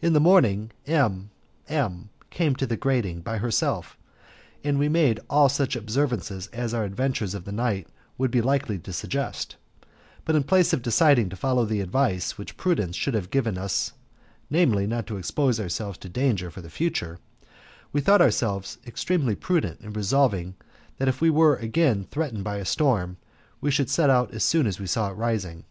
In the morning M M came to the grating by herself, and we made all such observations as our adventures of the night would be likely to suggest, but in place of deciding to follow the advice which prudence should have given us namely, not to expose ourselves to danger for the future, we thought ourselves extremely prudent in resolving that if we were again threatened by a storm we would set out as soon as we saw it rising.